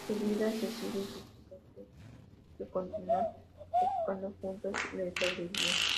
Su viuda Cecilia y sus hijos que continúan tocando juntos le sobreviven.